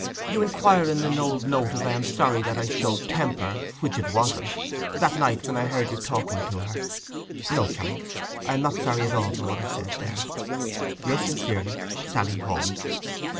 You inquire in an old note if I am sorry that I showed temper (which it wasn't) that night when I heard you talking to her. No, Charles, I am not sorry at all for what I said then.—Yours sincerely, SALLY HALL.